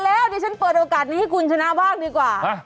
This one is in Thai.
แล้วดิฉันเปิดโอกาสนี้ให้คุณชนะบ้างดีกว่า